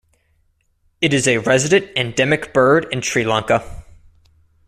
It is a resident endemic bird in Sri Lanka.